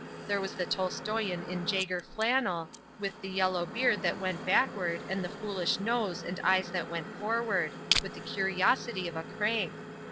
There was the Tolstoyan in Jaeger flannel, with the yellow beard that went backward and the foolish nose and eyes that went forward, with the curiosity of a crank.